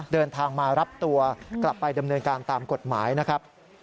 เดินทางมารับตัวกลับไปดำเนินการตามกฎหมายนะครับ